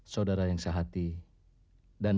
saudara yang selamat